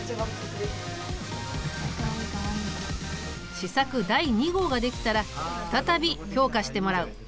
試作第２号が出来たら再び評価してもらう。